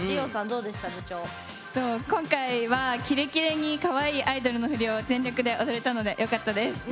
今回は、キレキレにかわいいアイドルの振りを全力で踊れたので、よかったです。